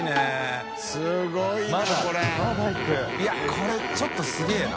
これちょっとすげぇな。